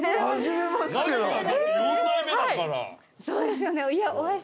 そうですよね。